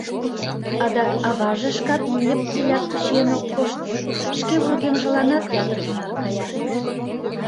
Адак аваже шкат льыпти-ляпти чиен ок кошт, шке вургемжыланат ятыр ӱнар кая.